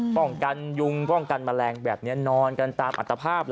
ป้องกันยุงป้องกันแมลงแบบนี้นอนกันตามอัตภาพ